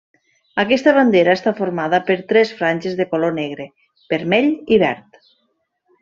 Aquesta bandera està formada per tres franges de color negre, vermell i verd.